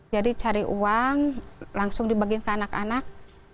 jadi cari uang langsung dibagi ke anak anak